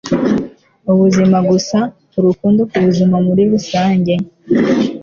ubuzima gusa, urukundo. kubuzima muri rusange